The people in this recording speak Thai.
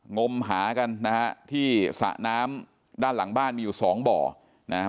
งมหากันนะฮะที่สระน้ำด้านหลังบ้านมีอยู่สองบ่อนะครับ